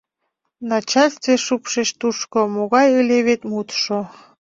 Начальстве шупшеш тушко Могай ыле вет мутшо: